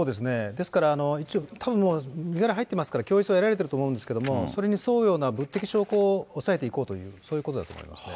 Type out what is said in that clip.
ですからたぶんもう、身柄が入っていますから、供述は得られてると思うんですけれども、それに沿うような物的証拠を押さえていこうという、、そういうことだと思いますね。